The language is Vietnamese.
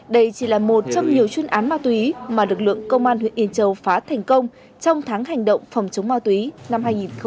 đây chỉ là một trong nhiều chuyên án ma túy mà lực lượng công an huyện yên châu phá thành công trong tháng hành động phòng chống ma túy năm hai nghìn một mươi tám